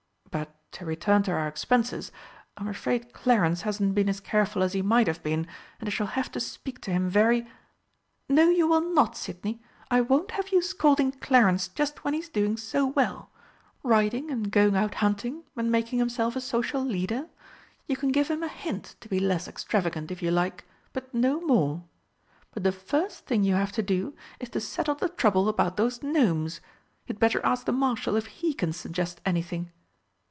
But, to return to our expenses, I'm afraid Clarence hasn't been as careful as he might have been, and I shall have to speak to him very " "No, you will not, Sidney. I won't have you scolding Clarence just when he's doing so well riding and going out hunting and making himself a social leader. You can give him a hint to be less extravagant if you like but no more. But the first thing you have to do, is to settle the trouble about those Gnomes. You'd better ask the Marshal if he can suggest anything."